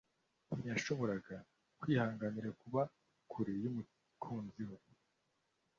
Ntiyashoboraga kwihanganira kuba kure yumukunzi we